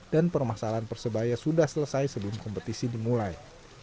dan permasalahan persebaya sudah selesai sebelum kompetisi dimulai